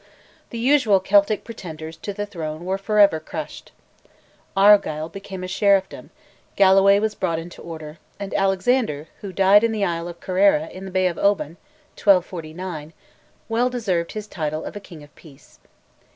The usual Celtic pretenders to the throne were for ever crushed. Argyll became a sheriffdom, Galloway was brought into order, and Alexander, who died in the Isle of Kerrera in the bay of Oban (1249), well deserved his title of "a King of Peace."